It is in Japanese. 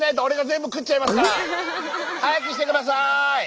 早くして下さい！